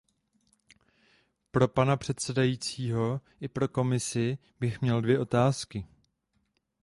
Pro pana předsedajícího i pro Komisi bych měl dvě otázky.